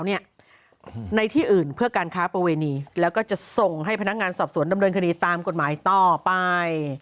ในที่อื่นเพื่อการค้าประเวณีแล้วก็จะส่งให้พนักงานสอบสวนดำเนินคดีตามกฎหมายต่อไป